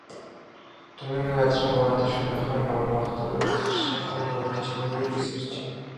Зуны нэг азарган бороотой шөнө нохой боргоох, дөрөө харших, хүн дуугарах чимээгээр би сэржээ.